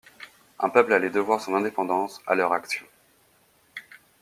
Un peuple allait devoir son indépendance à leur action.